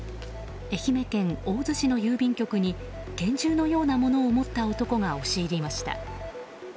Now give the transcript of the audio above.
愛媛県大洲市の郵便局に拳銃のようなものを持った男が押し入りました。